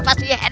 punten kelas ya